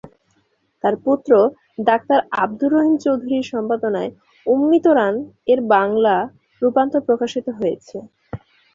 তার পুত্র ডাক্তার আব্দুর রহিম চৌধুরীর সম্পাদনায় "উম্মিতরান"-এর বাংলা রূপান্তর প্রকাশিত হয়েছে।